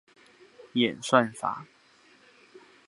演算法